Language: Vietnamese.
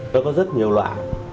nó có rất nhiều loại